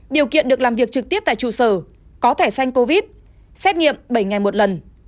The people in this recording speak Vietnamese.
điều kiện được làm việc trực tiếp tại trụ sở có thẻ xanh covid xét nghiệm bảy ngày một lần